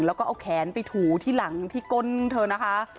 แล้วก็เอาแขนไปถูที่หลังที่ก้นเธอนะคะ